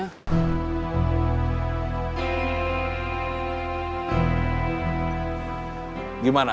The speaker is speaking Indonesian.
dia gak ngerti masalahnya